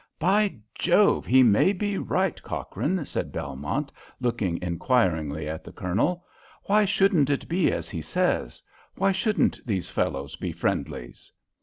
"By Jove, he may be right, Cochrane," said Belmont, looking inquiringly at the Colonel. "Why shouldn't it be as he says? why shouldn't these fellows be friendlies?"